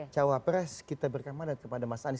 jawab pres kita berikan manat kepada mas anies